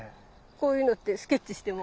こういうのってスケッチしても。